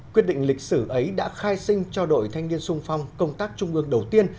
quyết định lịch sử ấy đã khai sinh cho đội thanh niên sung phong công tác trung ương đầu tiên